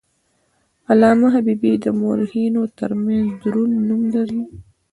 علامه حبیبي د مورخینو ترمنځ دروند نوم لري.